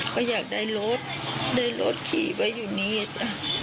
ก็อยากได้รถได้รถขี่ไว้อยู่นี้จ้ะ